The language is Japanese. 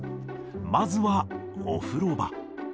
まずはお風呂場。